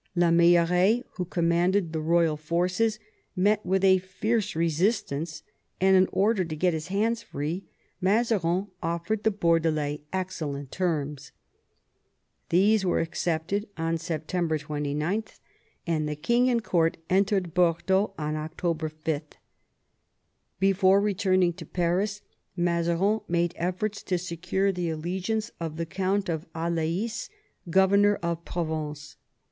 La Meilleraye, who commanded the royal forces, met with a fierce resistance, and in order to get his hands free Mazarin offered the Bordelais excellent terms. These were accepted on September 29, and the king and court entered Bordeaux on October 5. Before returning to Paris, Mazarin made efforts to secure the allegiance of the Count of Alais, governor of Provence.